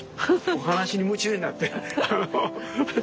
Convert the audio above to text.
お話に夢中になって。